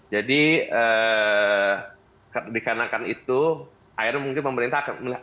jadi dikarenakan itu akhirnya mungkin pemerintah akan melihat